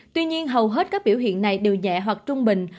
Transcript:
tuy nhiên hầu hết các biểu hiện này đều nhẹ hoặc trung bình